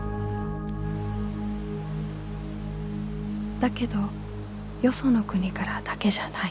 だけどよその国からだけじゃない。